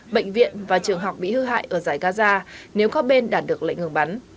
bệnh viện và trường học bị hư hại ở giải gaza nếu các bên đạt được lệnh ngừng bắn